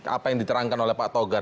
apa yang diterangkan oleh pak togar